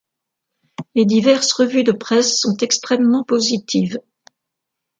Les diverses revues de presse sont extrêmement positives.